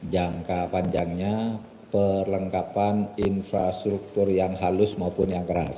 jangka panjangnya perlengkapan infrastruktur yang halus maupun yang keras